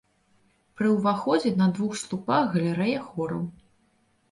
Пры ўваходзе на двух слупах галерэя хораў.